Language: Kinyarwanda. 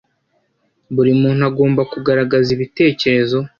Buri muntu agomba kugaragaza ibitekerezo